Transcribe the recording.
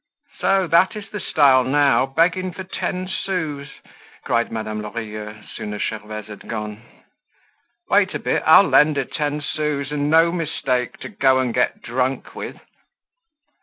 "So that is the style now? Begging for ten sous," cried Madame Lorilleux as soon as Gervaise had gone. "Wait a bit; I'll lend her ten sous, and no mistake, to go and get drunk with."